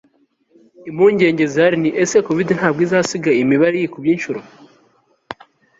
impungenge zihari ni, ese covid- ntabwo izasiga iyi mibare yikubye inshuro